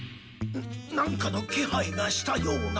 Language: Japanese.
なんかのけはいがしたような。